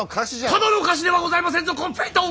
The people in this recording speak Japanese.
ただの菓子ではございませんぞコンフェイト！